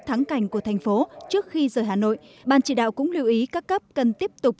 thắng cảnh của thành phố trước khi rời hà nội ban chỉ đạo cũng lưu ý các cấp cần tiếp tục